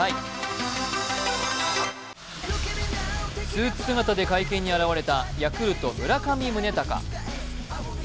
スーツ姿で会見に現れたヤクルト・村上宗隆。